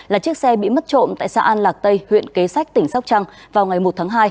là chiếc xe bị mất trộm tại xã an lạc tây huyện kế sách tỉnh sóc trăng vào ngày một tháng hai